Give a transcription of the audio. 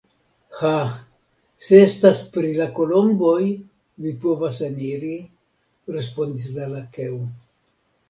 Ha! se estas pri la kolomboj vi povas eniri, respondis la lakeo.